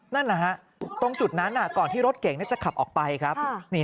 นั่นแหละฮะตรงจุดนั้นก่อนที่รถเก่งจะขับออกไปครับ